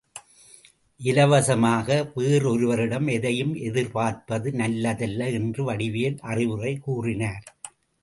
இலவசமாக வேறொருவரிடம் எதையும் எதிர்பார்ப்பது நல்லதல்ல என்று வடிவேல் அறிவுரை கூறினார்.